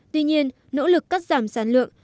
tuy nhiên nỗ lực cắt giảm sản lượng